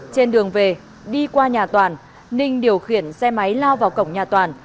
trên đường về đi qua nhà toàn ninh điều khiển xe máy lao vào cổng nhà toàn